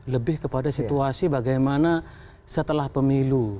lebih kepada situasi bagaimana setelah pemilu